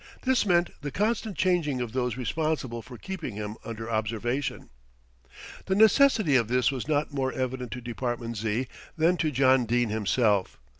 This meant the constant changing of those responsible for keeping him under observation. The necessity of this was not more evident to Department Z. than to John Dene himself.